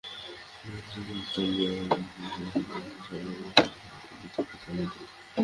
তর্ক ক্রমাগত বাড়িয়া চলিয়াছে দেখিয়া স্বামীজী ও তুরীয়ানন্দ স্বামী উভয়ে তর্ক-বিতর্ক থামাইয়া দিলেন।